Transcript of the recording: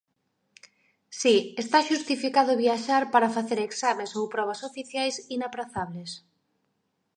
Si, está xustificado viaxar para facer exames ou probas oficiais inaprazables.